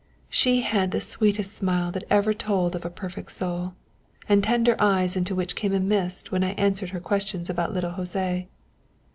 She had the sweetest smile that ever told of a perfect soul, and tender eyes into which came a mist when I answered her questions about little José.